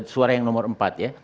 suara yang nomor empat ya